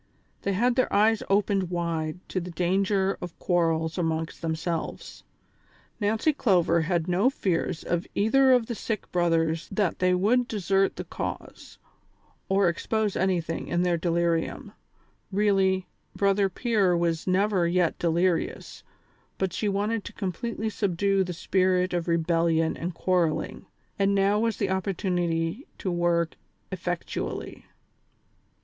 They had their eyes opened wide to the dan ger of quarrels amongst themselves. Nancy Clover had no fears of either of the sick brothers that they would de sert the cause, or expose anything in their delirium ; really, Brother Pier was never yet delirious, but she wanted to completely subdue the spirit of rebellion and quarrelling, and now was the opportunity to work effectual ly.